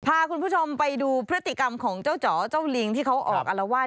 พาคุณผู้ชมไปดูพฤติกรรมของเจ้าจ๋อเจ้าลิงที่เขาออกอารวาส